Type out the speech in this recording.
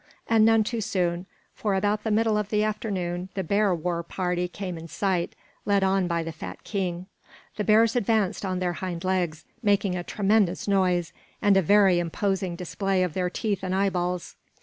And none too soon, for about the middle of the afternoon the bear war party came in sight, led on by the fat king. The bears advanced on their hind legs, making a tremendous noise, and a very imposing display of their teeth and eyeballs.